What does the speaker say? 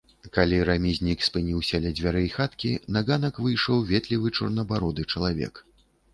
Калі рамізнік спыніўся ля дзвярэй хаткі, на ганак выйшаў ветлівы чорнабароды чалавек.